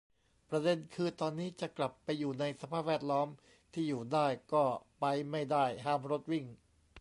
ประเด็นคือ ตอนนี้จะกลับไปอยู่ในสภาพแวดล้อมที่อยู่ได้ ก็ไปไม่ได้ ห้ามรถวิ่ง